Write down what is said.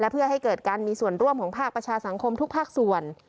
เพื่อให้เกิดการมีส่วนร่วมของภาคประชาสังคมทุกภาคส่วน